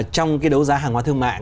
trong cái đấu giá hàng hóa thương mại